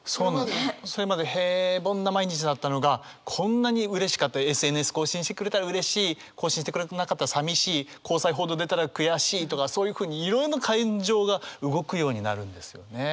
それまで平凡な毎日だったのがこんなにうれしかったＳＮＳ更新してくれたらうれしい更新してくれなかったらさみしい交際報道出たら悔しいとかそういうふうにいろんな感情が動くようになるんですよね。